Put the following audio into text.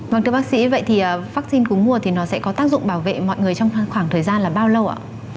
vâng thưa bác sĩ vậy thì vaccine cúm mùa thì nó sẽ có tác dụng bảo vệ mọi người trong khoảng thời gian là bao lâu ạ